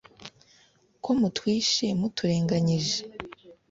ko mutwishe muturenganyije